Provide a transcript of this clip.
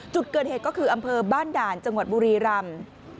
จุดเกิดเหตุก็คืออำเภอบ้านด่านจังหวัดบุรีรำ